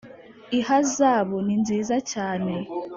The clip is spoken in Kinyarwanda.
ihazabu ni nziza cyane